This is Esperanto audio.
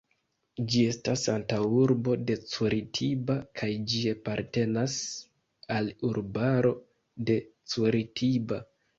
Ĝi estas antaŭurbo de Curitiba kaj ĝi apartenas al urbaro de Curitiba.